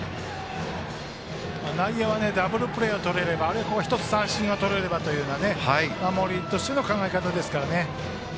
内野はダブルプレーをとれればあるいは１つ三振がとれればという守りとしての考え方ですから。